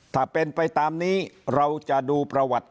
ถ้าเป็นไปตามนี้เราจะดูประวัติ